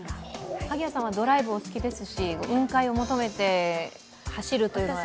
萩谷さんはドライブお好きですし、雲海を求めて走るというのは。